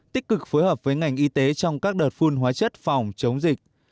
tích cực phối hợp với ngành y tế trong các đợt phun hóa chất phòng chống dịch